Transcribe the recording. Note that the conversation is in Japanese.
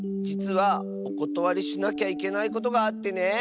じつはおことわりしなきゃいけないことがあってね。